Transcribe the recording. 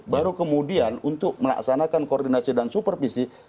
baru kemudian untuk melaksanakan koordinasi dan supervisi